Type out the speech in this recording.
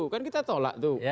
kan kita tolak itu